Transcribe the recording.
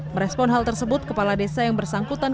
merespon hal tersebut kepala desa yang bersangkutan